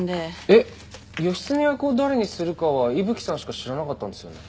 えっ義経役を誰にするかは伊吹さんしか知らなかったんですよね？